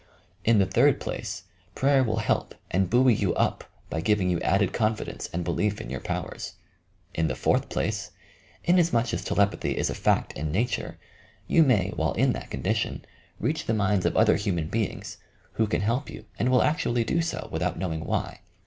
In the third place, prayer will help and buoy you up by giving you added confidence and belief in your powers. In the fourth place, inas much as telepathy is a fact in nature, you may, while in that condition, reach the minds of other human be ings, who can help you and will actually do so, without knowing why.